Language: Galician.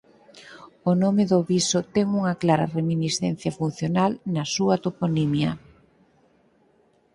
O nome do Viso ten unha clara reminiscencia funcional na súa toponimia.